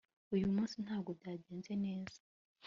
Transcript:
uyu munsi ntabwo byagenze neza